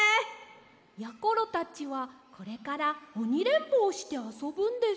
やころたちはこれからおにれんぼをしてあそぶんです。